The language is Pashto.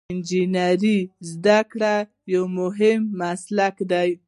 انجنیری د زده کړې یو مهم مسلک دی.